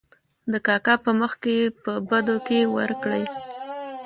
د کاکا په مخکې په بدو کې ور کړې .